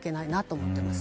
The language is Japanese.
思っています。